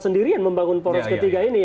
sendirian membangun poros ketiga ini